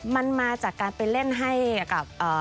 มันมาจากการไปเล่นให้กับ